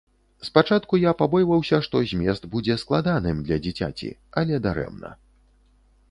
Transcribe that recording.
Спачатку я пабойваўся, што змест будзе складаным для дзіцяці, але дарэмна.